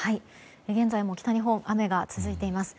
現在も北日本、雨が続いています。